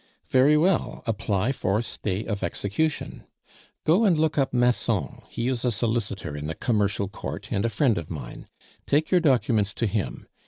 "Very well, apply for stay of execution. Go and look up Masson, he is a solicitor in the Commercial Court, and a friend of mine. Take your documents to him.